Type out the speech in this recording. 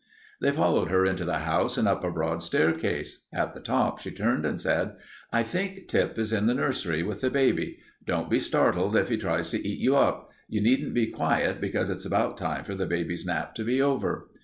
They followed her into the house and up a broad staircase. At the top she turned and said: "I think Tip is in the nursery with the baby. Don't be startled if he tries to eat you up. You needn't be quiet, because it's about time for baby's nap to be over."